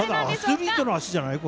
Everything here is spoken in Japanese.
アスリートの足じゃない？